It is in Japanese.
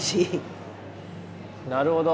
なるほど。